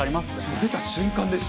出た瞬間でした。